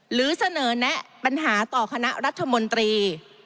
หรือเสนอแนะปัญหาต่อคณะรัฐมนตรี